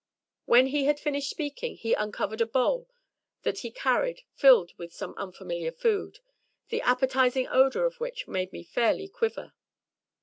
When he had finished speaking he uncovered a bowl that he carried filled with some unfamiliar food, the appetizing odor of which made me fairly quiver!